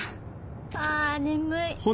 ああ眠い。